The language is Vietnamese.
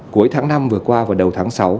cuối tháng năm vừa qua và đầu tháng sáu